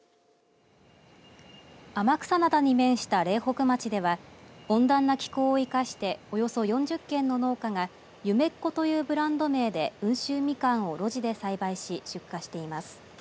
天草灘に面した苓北町では温暖な気候を生かしておよそ４０軒の農家が夢っ子というブランド名で温州みかんを路地で栽培し出荷しています。